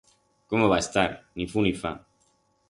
Cómo va a estar, ni fu ni fa.